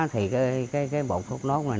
thì cái bột thốt nốt này